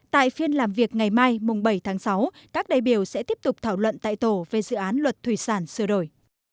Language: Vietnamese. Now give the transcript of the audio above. tại phiên làm việc ngày mai bảy tháng sáu các đại biểu sẽ tiếp tục thảo luận tại tổ về dự án luật thủy sản sửa đổi